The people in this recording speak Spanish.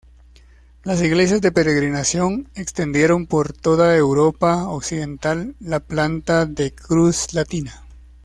Las iglesias de peregrinación extendieron por toda Europa occidental la planta de cruz latina.